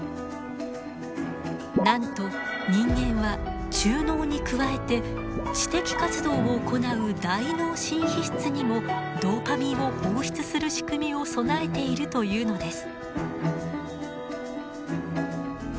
なんと人間は中脳に加えて知的活動を行う大脳新皮質にもドーパミンを放出する仕組みを備えているというのです。